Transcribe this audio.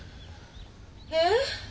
えっ？